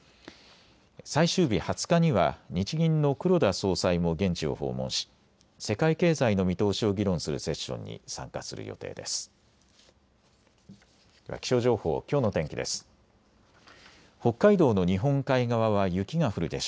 最終日２０日には日銀の黒田総裁も現地を訪問し世界経済の見通しを議論するセッションに参加する予定です。